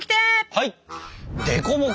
はい！